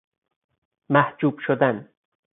محجوب شدن